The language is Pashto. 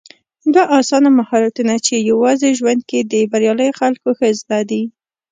دوه اسانه مهارتونه چې يوازې ژوند کې د برياليو خلکو ښه زده دي